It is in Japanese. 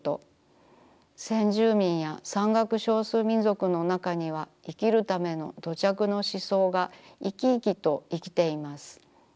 先住民や山岳少数民族のなかには生きるための土着の思想がいきいきと生きています。